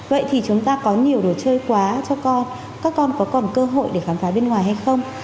vậy thì chúng ta có nhiều đồ chơi quá cho con các con có còn cơ hội để khám phá bên ngoài hay không